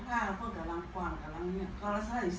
อ๋อตัวแน่งมันออกมาจากแก่นด้วยน่ะ